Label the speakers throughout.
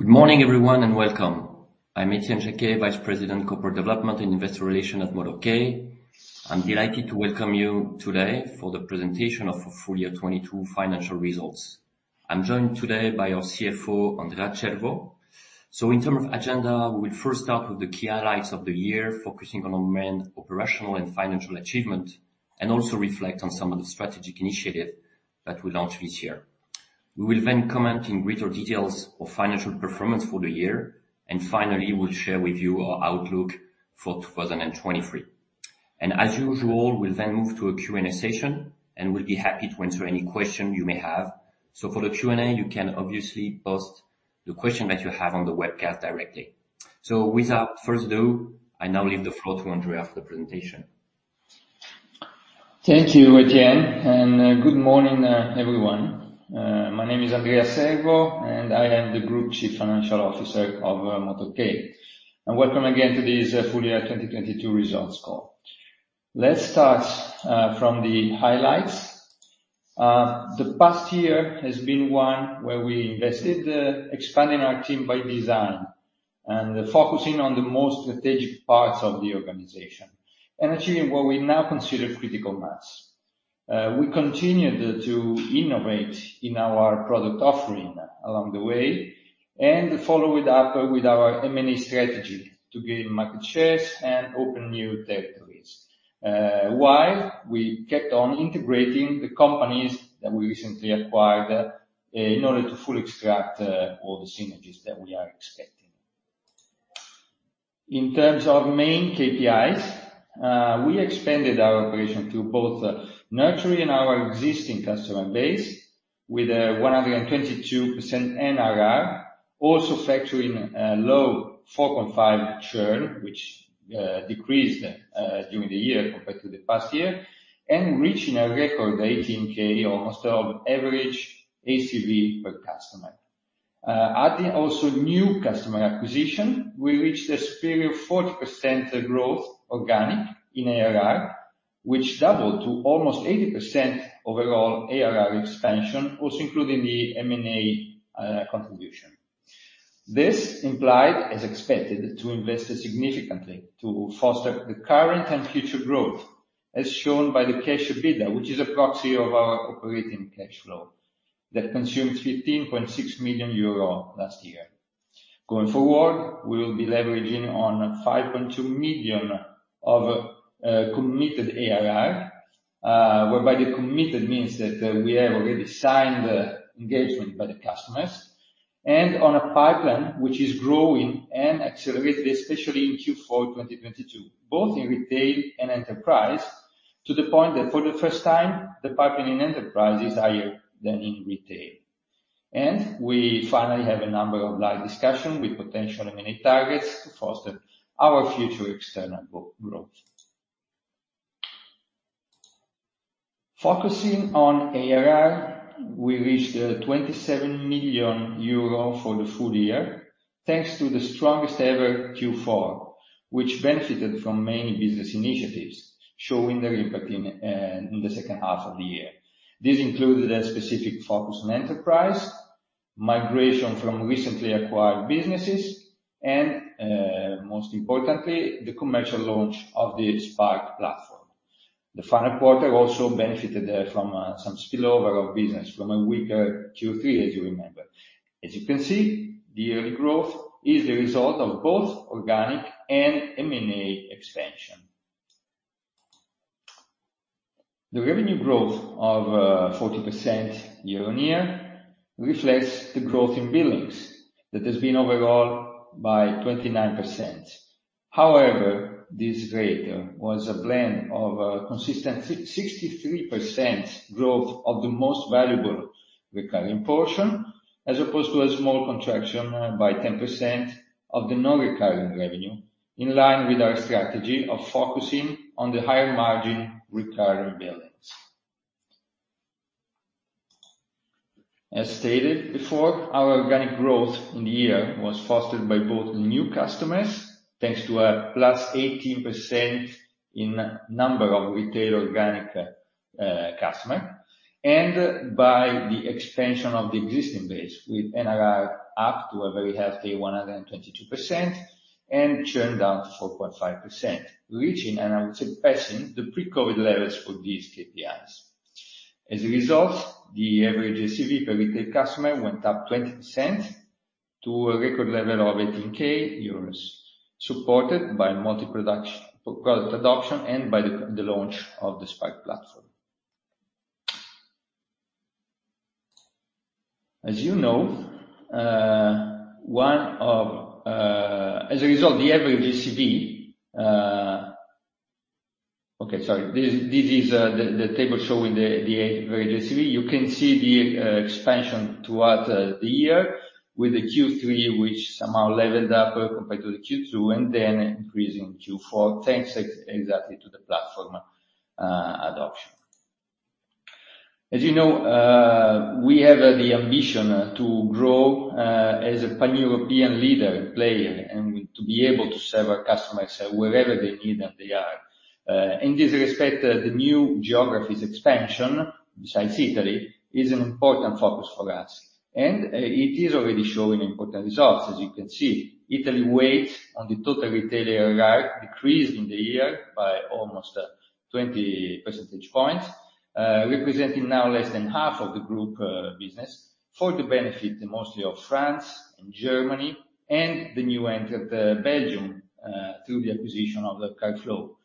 Speaker 1: Good morning everyone, and welcome. I'm Etienne Jacquet, Vice President, Corporate Development and Investor Relations at MotorK. I'm delighted to welcome you today for the presentation of our full year 2022 financial results. I'm joined today by our CFO, Andrea Servo. In terms of agenda, we will first start with the key highlights of the year, focusing on our main operational and financial achievement, and also reflect on some of the strategic initiative that we launched this year. We will then comment in greater details of financial performance for the year. Finally, we'll share with you our outlook for 2023. As usual, we'll then move to a Q&A session, and we'll be happy to answer any question you may have. For the Q&A, you can obviously post the question that you have on the webcast directly. Without further ado, I now leave the floor to Andrea for the presentation.
Speaker 2: Thank you, Etienne. Good morning, everyone. My name is Andrea Servo, and I am the Group Chief Financial Officer of MotorK. Welcome again to this full year 2022 results call. Let's start from the highlights. The past year has been one where we invested expanding our team by design and focusing on the more strategic parts of the organization, and achieving what we now consider critical mass. We continued to innovate in our product offering along the way, and follow it up with our M&A strategy to gain market shares and open new territories, while we kept on integrating the companies that we recently acquired, in order to fully extract all the synergies that we are expecting. In terms of main KPIs, we expanded our operation to both nurturing our existing customer base with a 122% NRR, also factoring a low 4.5% churn, which decreased during the year compared to the past year, and reaching a record 18K almost of average ACV per customer. Adding also new customer acquisition, we reached a superior 40% growth organic in ARR, which doubled to almost 80% overall ARR expansion, also including the M&A contribution. This implied, as expected, to invest significantly to foster the current and future growth, as shown by the Cash EBITDA, which is a proxy of our operating cash flow, that consumed 15.6 million euro last year. Going forward, we will be leveraging on 5.2 million of committed ARR, whereby the committed means that we have already signed engagement by the customers, and on a pipeline which is growing and accelerated, especially in Q4 2022, both in retail and enterprise, to the point that for the first time, the pipeline in enterprise is higher than in retail. We finally have a number of live discussion with potential M&A targets to foster our future external growth. Focusing on ARR, we reached 27 million euro for the full year, thanks to the strongest ever Q4, which benefited from many business initiatives, showing their impact in the second half of the year. This included a specific focus on enterprise, migration from recently acquired businesses, and most importantly, the commercial launch of the SparK platform. The final quarter also benefited from some spillover of business from a weaker Q3, as you remember. As you can see, the yearly growth is the result of both organic and M&A expansion. The revenue growth of 40% year-on-year reflects the growth in billings that has been overall by 29%. This rate was a blend of a consistent 63% growth of the most valuable recurring portion, as opposed to a small contraction by 10% of the non-recurring revenue, in line with our strategy of focusing on the higher margin recurring billings. As stated before, our organic growth in the year was fostered by both new customers, thanks to a +18% in number of retail organic customer, and by the expansion of the existing base with NRR up to a very healthy 122% and churn down to 4.5%, reaching, and I would say passing, the pre-COVID levels for these KPIs. As a result, the average ACV per retail customer went up 20% to a record level of 18K euros, supported by multi-product adoption and by the launch of the SparK platform. As you know. Okay, sorry. This is the table showing the average ACV. You can see the expansion throughout the year with the Q3, which somehow leveled up compared to the Q2, and then increasing Q4, thanks exactly to the platform adoption. As you know, we have the ambition to grow as a Pan-European leader and player, and to be able to serve our customers wherever they need and they are. In this respect, the new geographies expansion, besides Italy, is an important focus for us. It is already showing important results. As you can see, Italy weight on the total retail ARR decreased in the year by almost 20 percentage points, representing now less than half of the group business for the benefit mostly of France and Germany and the new entered Belgium through the acquisition of the Carflow.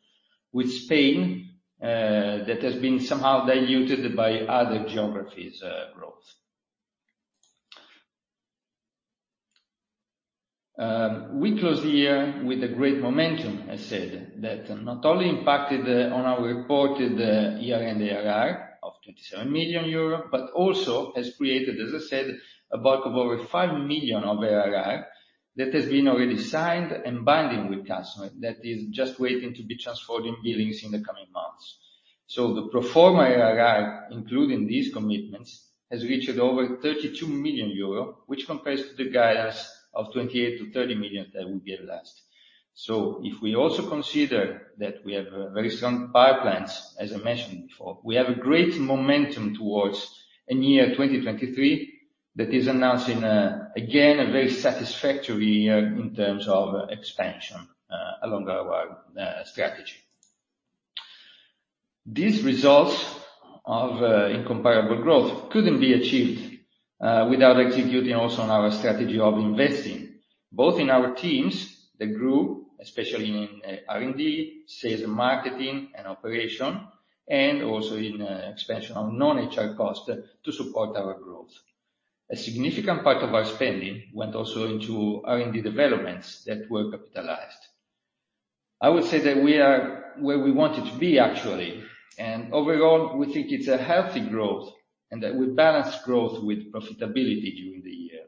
Speaker 2: With Spain, that has been somehow diluted by other geographies, growth. We closed the year with a great momentum, I said, that not only impacted on our reported year-end ARR of 27 million euro, but also has created, as I said, a bulk of over 5 million of ARR that has been already signed and binding with customer that is just waiting to be transformed in billings in the coming months. The pro forma ARR, including these commitments, has reached over 32 million euro, which compares to the guidance of 28 million-30 million that we gave last. If we also consider that we have a very strong pipelines, as I mentioned before, we have a great momentum towards a year 2023 that is announcing again, a very satisfactory year in terms of expansion along our strategy. These results of incomparable growth couldn't be achieved without executing also on our strategy of investing, both in our teams that grew, especially in R&D, sales and marketing, and operation, and also in expansion of non-HR costs to support our growth. A significant part of our spending went also into R&D developments that were capitalized. I would say that we are where we wanted to be actually. Overall, we think it's a healthy growth, and that we balance growth with profitability during the year.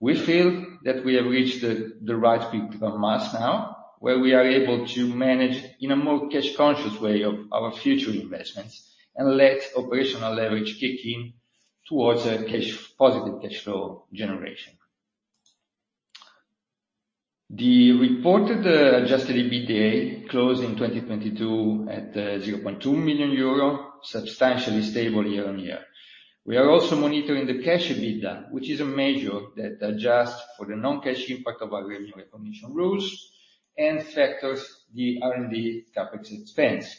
Speaker 2: We feel that we have reached the right peak of mass now, where we are able to manage in a more cash conscious way of our future investments and let operational leverage kick in towards a positive cash flow generation. The reported adjusted EBITDA closed in 2022 at 0.2 million euro, substantially stable year-on-year. We are also monitoring the Cash EBITDA, which is a measure that adjusts for the non-cash impact of our revenue recognition rules and factors the R&D CapEx expense.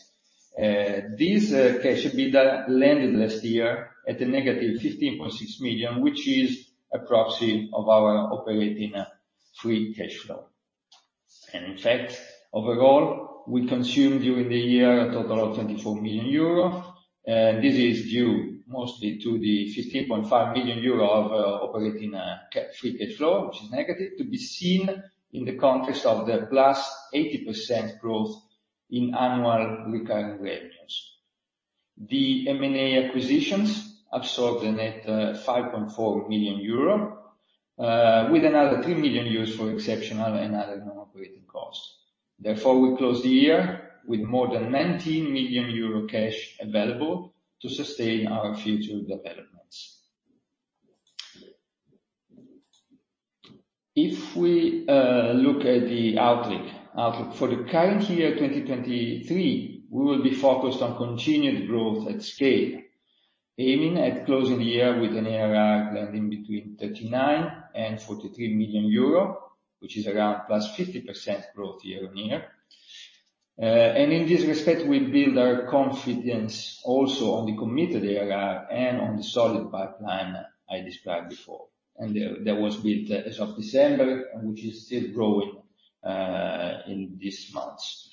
Speaker 2: This Cash EBITDA landed last year at a negative 15.6 million, which is a proxy of our operating free cash flow. Overall, we consumed during the year a total of 24 million euro. This is due mostly to the 15.5 million euro of operating free cash flow, which is negative, to be seen in the context of the +80% growth in annual recurring revenues. The M&A acquisitions absorbed a net 5.4 million euro, with another 3 million euros for exceptional and other non-operating costs. We closed the year with more than 19 million euro cash available to sustain our future developments. If we look at the outlook. For the current year, 2023, we will be focused on continued growth at scale, aiming at closing the year with an ARR landing between 39 million and 43 million euro, which is around +50% growth year-on-year. In this respect, we build our confidence also on the committed ARR and on the solid pipeline I described before. That was built as of December, which is still growing in these months.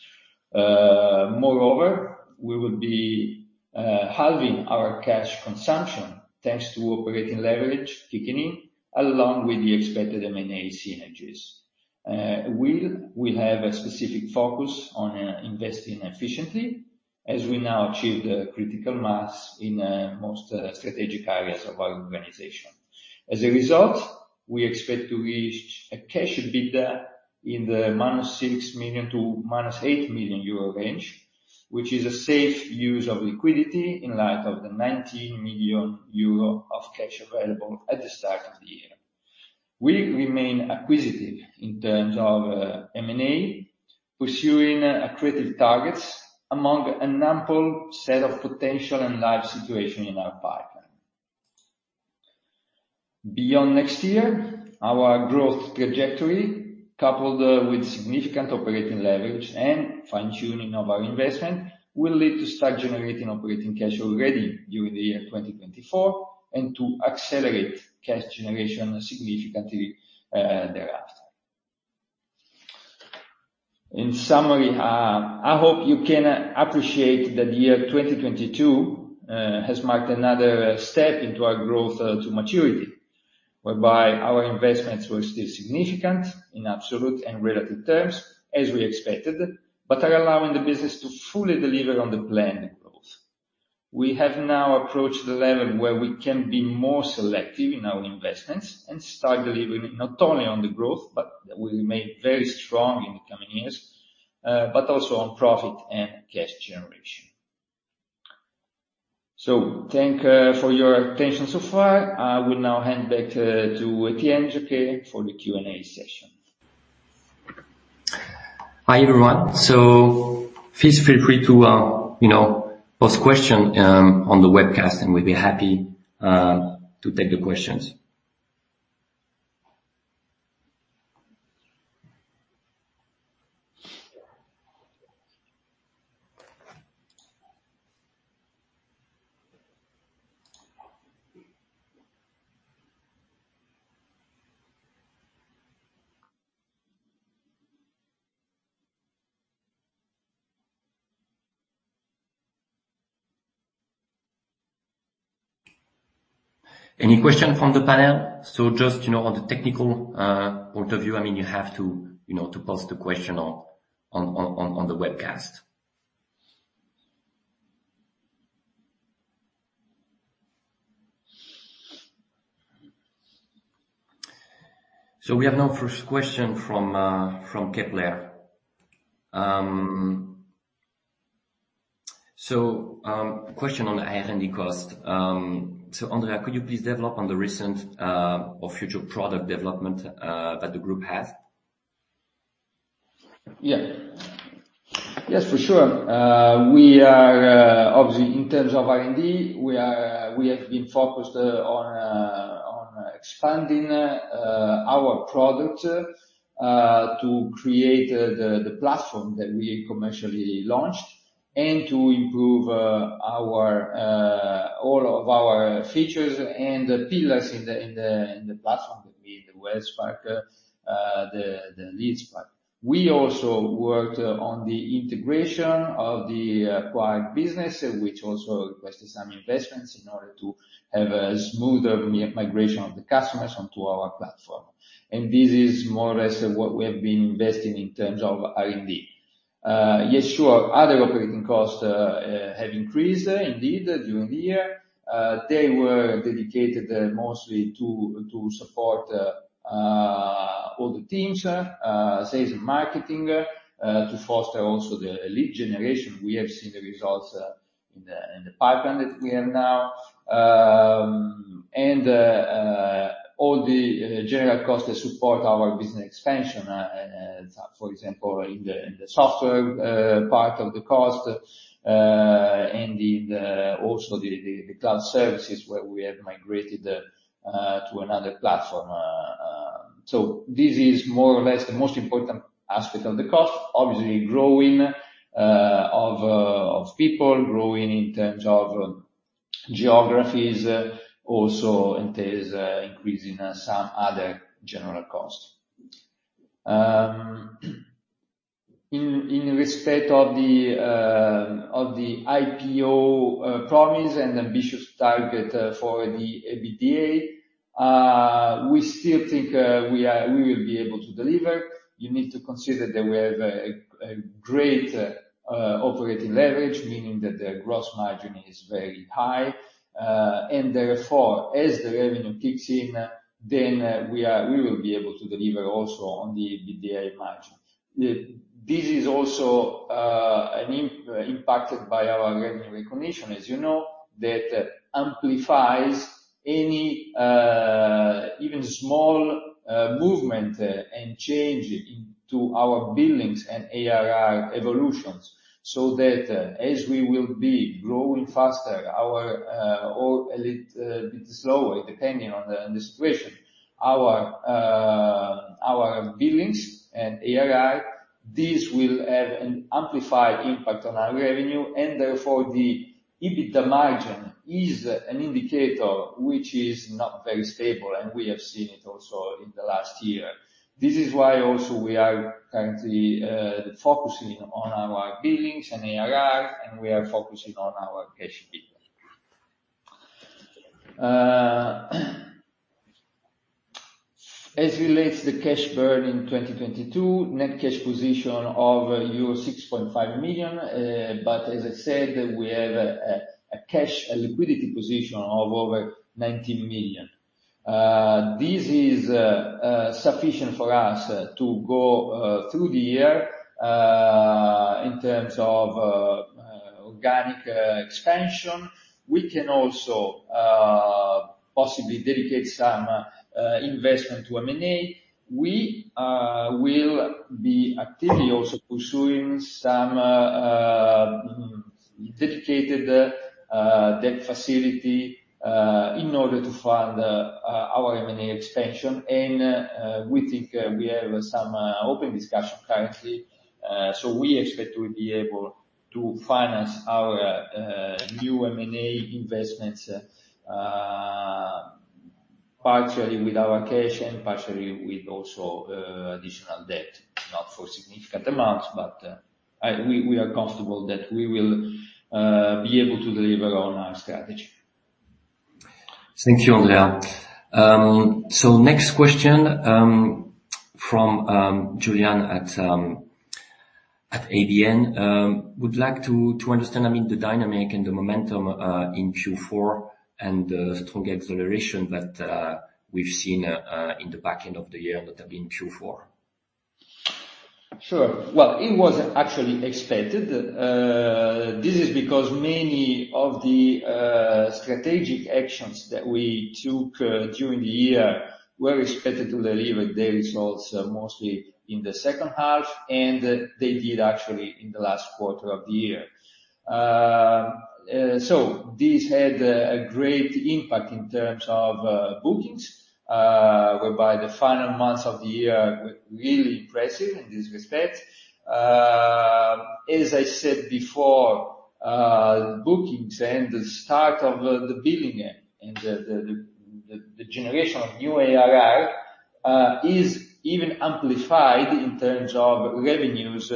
Speaker 2: Moreover, we will be halving our cash consumption, thanks to operating leverage kicking in along with the expected M&A synergies. We will have a specific focus on investing efficiently as we now achieve the critical mass in most strategic areas of our organization. As a result, we expect to reach a Cash EBITDA in the minus 6 million - minus 8 million euro range, which is a safe use of liquidity in light of the 19 million euro of cash available at the start of the year. We remain acquisitive in terms of M&A, pursuing accretive targets among a number set of potential and live situation in our pipeline. Beyond next year, our growth trajectory, coupled with significant operating leverage and fine-tuning of our investment, will lead to start generating operating cash already during the year 2024, and to accelerate cash generation significantly thereafter. In summary, I hope you can appreciate that the year 2022 has marked another step into our growth to maturity, whereby our investments were still significant in absolute and relative terms, as we expected, but are allowing the business to fully deliver on the planned growth. We have now approached the level where we can be more selective in our investments and start delivering not only on the growth, but we remain very strong in the coming years, but also on profit and cash generation. Thank for your attention so far. I will now hand back to Etienne Jacquet for the Q&A session.
Speaker 1: Please feel free to, you know, post question on the webcast, and we'll be happy to take the questions. Any question from the panel? Just, you know, on the technical point of view, I mean, you have to, you know, to post the question on the webcast. We have now first question from Kepler. Question on the R&D cost. Andrea, could you please develop on the recent or future product development that the group has?
Speaker 2: Yes, for sure. We are obviously, in terms of R&D, we have been focused on expanding our product to create the platform that we commercially launched and to improve our all of our features and the pillars in the platform, that being the wealth part, the leads part. We also worked on the integration of the acquired business, which also requested some investments in order to have a smoother migration of the customers onto our platform. This is more or less what we have been investing in terms of R&D. Yes, sure. Other operating costs have increased indeed during the year. They were dedicated mostly to support all the teams, sales and marketing, to foster also the lead generation. We have seen the results in the pipeline that we have now. All the general costs that support our business expansion, for example, in the software part of the cost, and also the cloud services where we have migrated to another platform. This is more or less the most important aspect of the cost. Obviously, growing of people, growing in terms of geographies, also entails increasing some other general costs. In respect of the IPO promise and ambitious target for the EBITDA, we still think we will be able to deliver. You need to consider that we have a great operating leverage, meaning that the gross margin is very high. Therefore, as the revenue kicks in, then we will be able to deliver also on the EBITDA margin. This is also impacted by our revenue recognition, as you know, that amplifies any even small movement and change into our billings and ARR evolutions, so that as we will be growing faster our or a bit slower, depending on the situation, our billings and ARR, this will have an amplified impact on our revenue, and therefore the EBITDA margin is an indicator which is not very stable, and we have seen it also in the last year. This is why also we are currently focusing on our billings and ARRs, and we are focusing on our cash bill. As relates the cash burn in 2022, net cash position of euro 6.5 million. But as I said, we have a cash, a liquidity position of over 19 million. This is sufficient for us to go through the year in terms of organic expansion. We can also possibly dedicate some investment to M&A. We will be actively also pursuing some dedicated debt facility in order to fund our M&A expansion. We think we have some open discussion currently. We expect to be able to finance our new M&A investments partially with our cash and partially with also additional debt. Not for significant amounts, but we are comfortable that we will be able to deliver on our strategy.
Speaker 1: Thank you, Andrea. Next question from Julian at ABN. Would like to understand, I mean, the dynamic and the momentum in Q4 and the strong acceleration that we've seen in the back end of the year that have been Q4.
Speaker 2: Sure. Well, it was actually expected. This is because many of the strategic actions that we took during the year were expected to deliver their results mostly in the second half, and they did actually in the last quarter of the year. This had a great impact in terms of bookings, whereby the final months of the year were really impressive in this respect. As I said before, bookings and the start of the billing and the generation of new ARR is even amplified in terms of revenues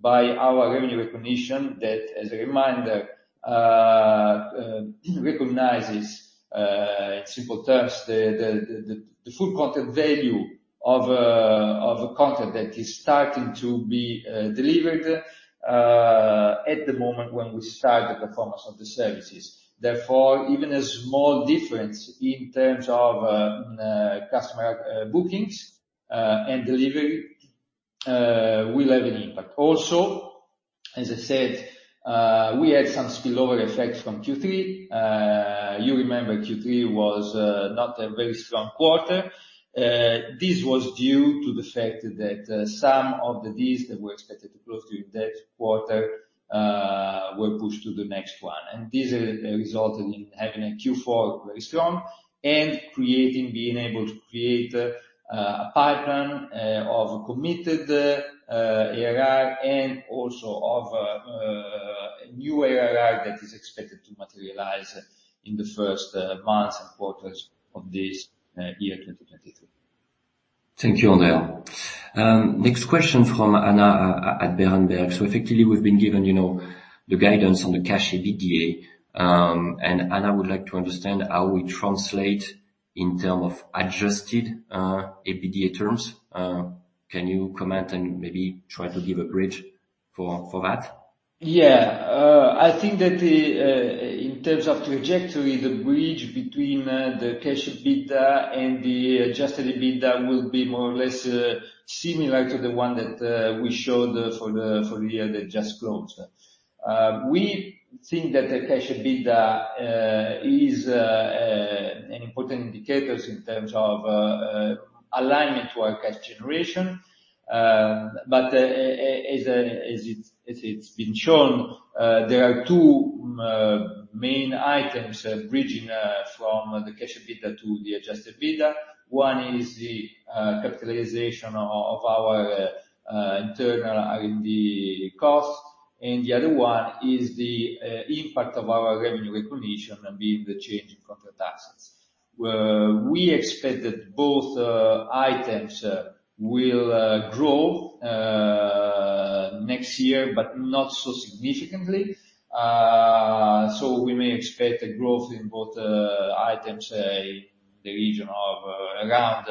Speaker 2: by our revenue recognition that, as a reminder, recognizes in simple terms, the full contract value of a contract that is starting to be delivered at the moment when we start the performance of the services. Therefore, even a small difference in terms of customer bookings and delivery will have an impact. Also, as I said, we had some spillover effects from Q3. You remember Q3 was not a very strong quarter. This was due to the fact that some of the deals that were expected to close during that quarter were pushed to the next one. This resulted in having a Q4 very strong and being able to create a pipeline of committed ARR and also of a new ARR that is expected to materialize in the first months and quarters of this year, 2023.
Speaker 1: Thank you, Andrea. Next question from Anna at Berenberg. Effectively, we've been given, you know, the guidance on the Cash EBITDA, Anna would like to understand how we translate in term of Adjusted EBITDA terms. Can you comment and maybe try to give a bridge for that?
Speaker 2: I think that in terms of trajectory, the bridge between the Cash EBITDA and the Adjusted EBITDA will be more or less similar to the one that we showed for the year that just closed. We think that the Cash EBITDA is an important indicators in terms of alignment to our cash generation. As it's been shown, there are two main items bridging from the Cash EBITDA to the Adjusted EBITDA. One is the capitalization of our internal R&D costs, and the other one is the impact of our revenue recognition and being the change in contract assets. We expect that both items will grow next year, but not so significantly. We may expect a growth in both items in the region of around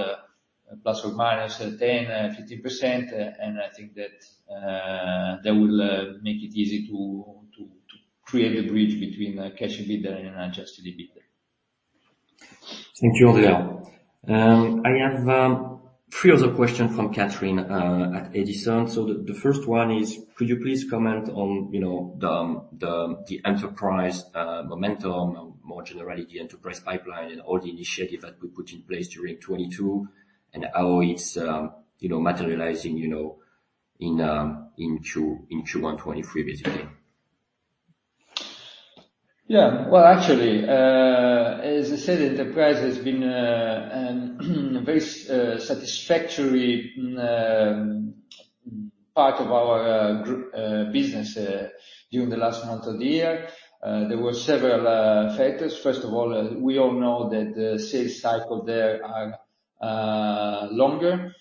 Speaker 2: ±10-15%. I think that that will make it easy to create a bridge between Cash EBITDA and Adjusted EBITDA.
Speaker 1: Thank you, Andrea. I have three other questions from Catherine at Edison. The first one is could you please comment on, you know, the enterprise momentum or more generally, the enterprise pipeline and all the initiatives that we put in place during 2022 and how it's, you know, materializing, you know, into 2023, basically?
Speaker 2: Yeah. Well, actually, as I said, enterprise has been a very satisfactory part of our business during the last months of the year. There were several factors. First of all, we all know that the sales cycle there are longer.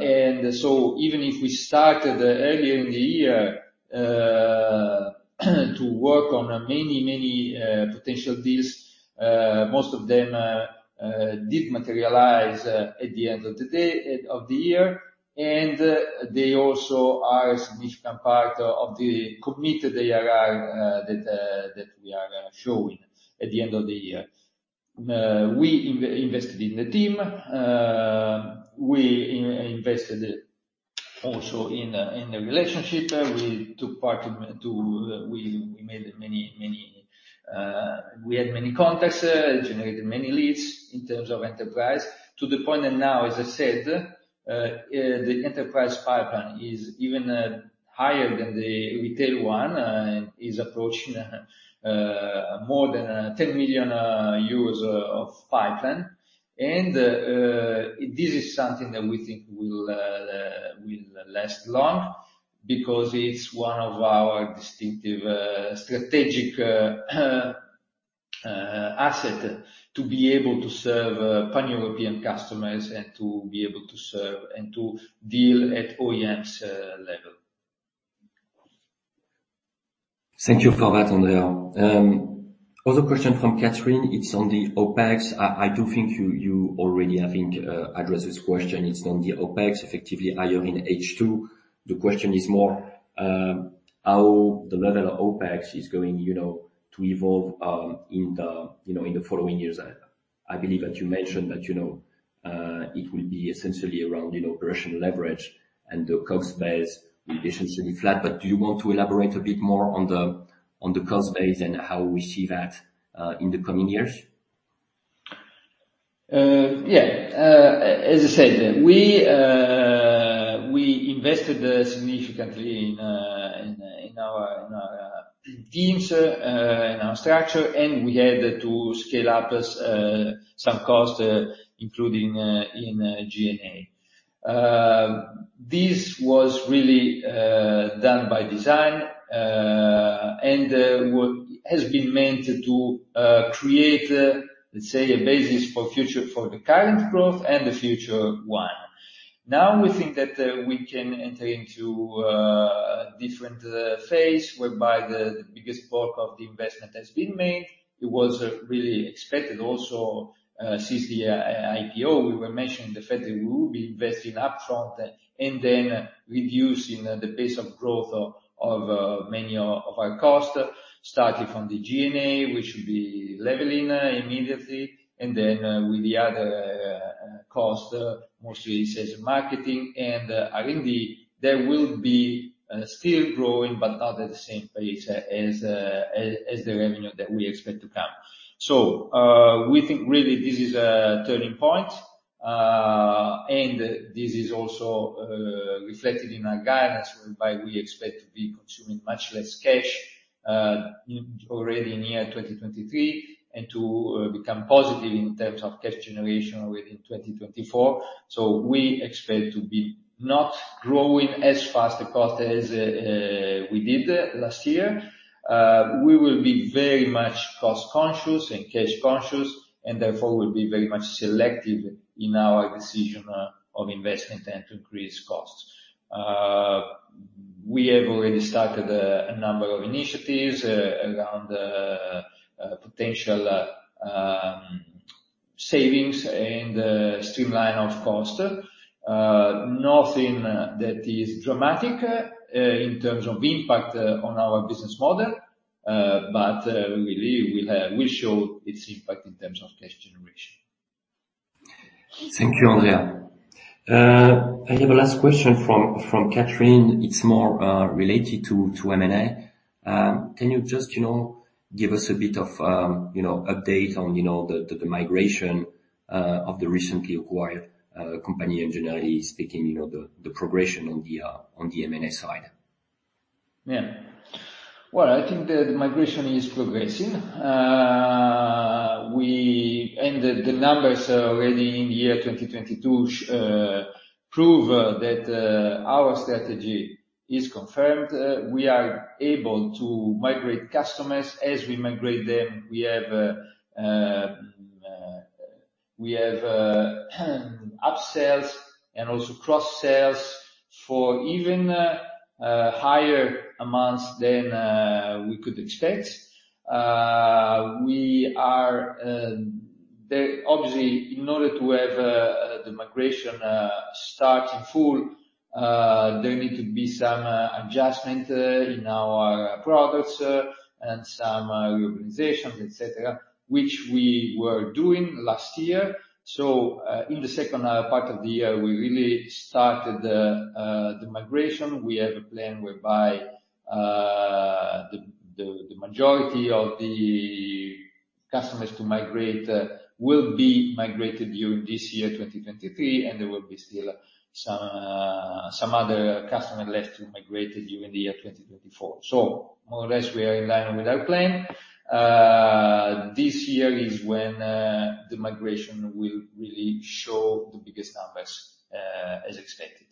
Speaker 2: Even if we started earlier in the year to work on many, many potential deals, most of them did materialize at the end of the day, of the year. They also are a significant part of the committed ARR that we are showing at the end of the year. We invested in the team. We invested also in the relationship. We took part in to... We made many, many, we had many contacts, generated many leads in terms of enterprise to the point that now, as I said, the enterprise pipeline is even higher than the retail one, and is approaching more than 10 million of pipeline. This is something that we think will last long because it's one of our distinctive strategic asset to be able to serve Pan-European customers and to be able to serve and to deal at OEMs level.
Speaker 1: Thank you for that, Andrea. Other question from Catherine, it's on the OpEx. I do think you already, I think, addressed this question. It's on the OpEx, effectively higher in H2. The question is more, how the level of OpEx is going, you know, to evolve, in the, you know, in the following years ahead. I believe that you mentioned that, you know, it will be essentially around, you know, operational leverage and the cost base will be essentially flat. Do you want to elaborate a bit more on the, on the cost base and how we see that, in the coming years?
Speaker 2: Yeah. As I said, we invested significantly in our teams, in our structure, and we had to scale up some costs, including in G&A. This was really done by design. What has been meant to create, let's say, a basis for the current growth and the future one. Now we think that we can enter into a different phase whereby the biggest bulk of the investment has been made. It was really expected also since the IPO, we were mentioning the fact that we will be investing upfront and then reducing the pace of growth of many of our costs, starting from the G&A, which should be leveling immediately. Then, with the other costs, mostly sales and marketing and R&D, they will be still growing but not at the same pace as the revenue that we expect to come. We think really this is a turning point, and this is also reflected in our guidance, whereby we expect to be consuming much less cash already in year 2023, and to become positive in terms of cash generation within 2024. We expect to be not growing as fast across as we did last year. We will be very much cost conscious and cash conscious, and therefore will be very much selective in our decision of investment and to increase costs. We have already started a number of initiatives around potential savings and streamline of cost. Nothing that is dramatic in terms of impact on our business model. We believe we'll show its impact in terms of cash generation.
Speaker 1: Thank you, Andrea. I have a last question from Catherine. It's more related to M&A. Can you just, you know, give us a bit of, you know, update on, you know, the migration of the recently acquired company engineers taking, you know, the progression on the M&A side?
Speaker 2: Well, I think the migration is progressing. The numbers already in year 2022 prove that our strategy is confirmed. We are able to migrate customers. As we migrate them, we have upsells and also cross-sales for even higher amounts than we could expect. Obviously, in order to have the migration start in full, there need to be some adjustment in our products and some reorganizations, et cetera, which we were doing last year. In the second part of the year, we really started the migration. We have a plan whereby the majority of the customers to migrate will be migrated during this year, 2023, and there will be still some other customer left to migrate during the year 2024. More or less we are in line with our plan. This year is when the migration will really show the biggest numbers as expected.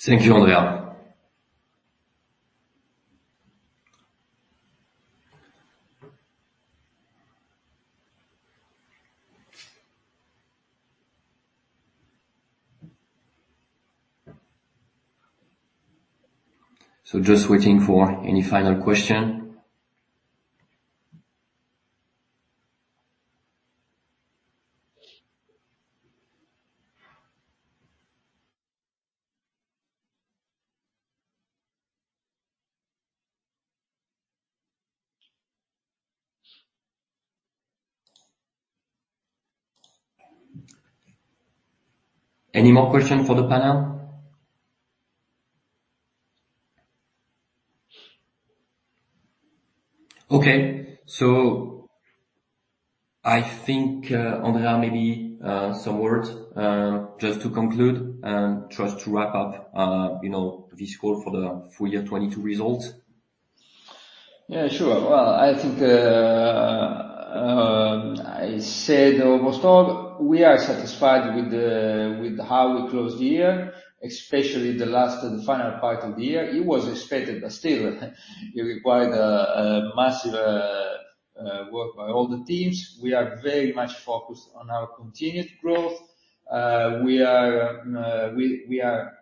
Speaker 1: Thank you, Andrea. Just waiting for any final question. Any more question for the panel? Okay. I think, Andrea, maybe some words, just to conclude and try to wrap up, you know, this call for the full year 2022 results.
Speaker 2: Yeah, sure. Well, I think, I said almost all. We are satisfied with how we closed the year, especially the last, the final part of the year. It was expected, but still it required a massive work by all the teams. We are very much focused on our continued growth. We are, we are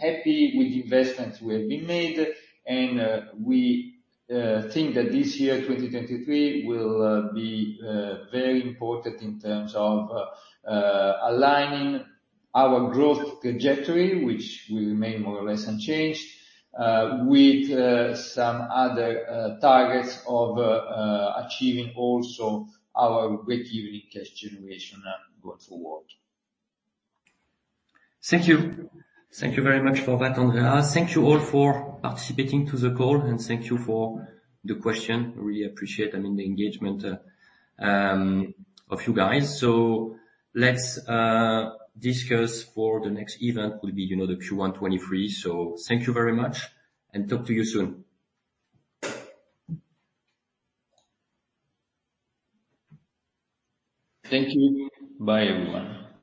Speaker 2: happy with the investments we have been made. And we think that this year, 2023, will be very important in terms of aligning our growth trajectory, which will remain more or less unchanged, with some other targets of achieving also our break-even in cash generation going forward.
Speaker 1: Thank you. Thank you very much for that, Andrea. Thank you all for participating to the call, and thank you for the question. Really appreciate, I mean, the engagement of you guys. Let's discuss for the next event will be, you know, the Q1 2023. Thank you very much and talk to you soon.
Speaker 2: Thank you. Bye, everyone.